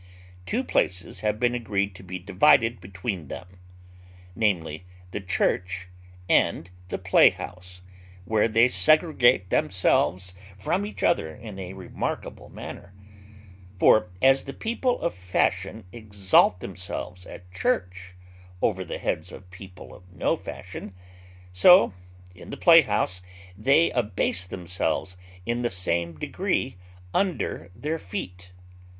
Two places have been agreed to be divided between them, namely, the church and the playhouse, where they segregate themselves from each other in a remarkable manner; for, as the people of fashion exalt themselves at church over the heads of the people of no fashion, so in the playhouse they abase themselves in the same degree under their feet.